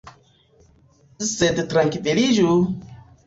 Sed trankviliĝu!